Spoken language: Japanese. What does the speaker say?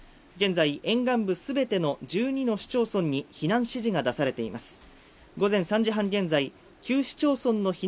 現在、沿岸部全ての１２の市町村に避難指示が出されています